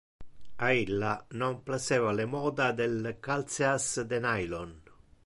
A illa non placeva le moda del calceas de nylon.